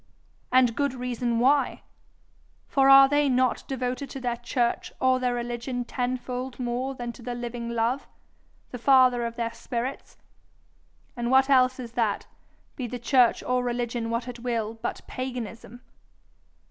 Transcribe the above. And good reason why! For are they not devoted to their church or their religion tenfold more than to the living Love, the father of their spirits? and what else is that, be the church or religion what it will, but paganism?